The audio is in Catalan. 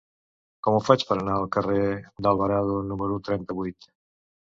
Com ho faig per anar al carrer d'Alvarado número trenta-vuit?